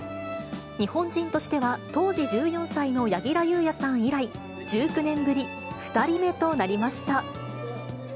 日本人としては、当時１４歳の柳楽優弥さん以来、１９年ぶり２人目となりました。